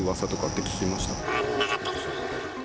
なかったですね。